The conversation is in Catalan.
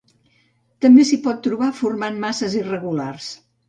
També s'hi pot trobar formant masses irregulars.